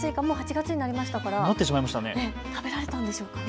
８月になりましたから食べられたんでしょうか。